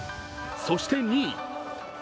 そして２位。